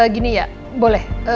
gini ya boleh